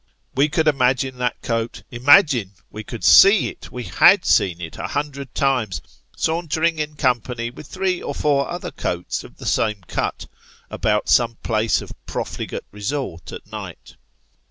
We could imagine that coat imagine ! we could see it ; we had seen it a hundred times saunter Day Dreaming. 57 ing in company with throe or four other coats of the same cut, about some place of profligate resort at night.